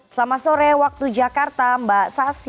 selamat sore waktu jakarta mbak sasy